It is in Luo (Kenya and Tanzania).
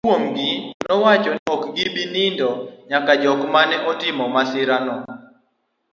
moko kuomgi nowacho ni ok gi bi nindo nyaka jok mane otimo masira no